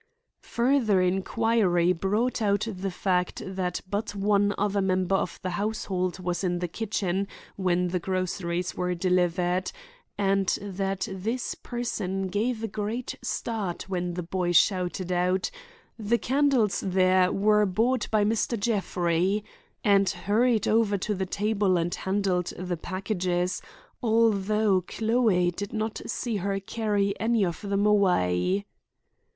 Further inquiry brought out the fact that but one other member of the household was in the kitchen when these groceries were delivered; and that this person gave a great start when the boy shouted out, "The candles there were bought by Mr. Jeffrey," and hurried over to the table and handled the packages, although Chloe did not see her carry any of them away.